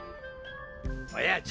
おやじ！？